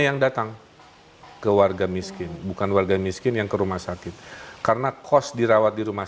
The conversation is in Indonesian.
yang datang ke warga miskin bukan warga miskin yang ke rumah sakit karena kos dirawat di rumah